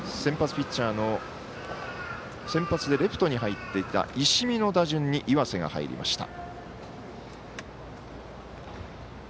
先発でレフトに入っていた石見の打順に岩瀬が入りました。